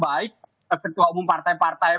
baik ketua umum partai partai